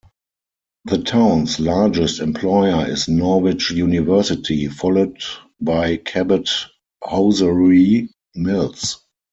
The town's largest employer is Norwich University, followed by Cabot Hosiery Mills.